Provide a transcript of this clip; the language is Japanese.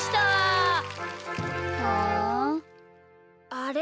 あれ？